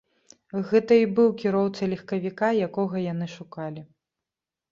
Гэта і быў кіроўца легкавіка, якога яны шукалі.